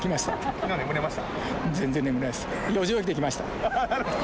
昨日眠れました？